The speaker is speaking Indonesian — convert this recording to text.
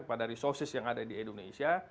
pada resources yang ada di indonesia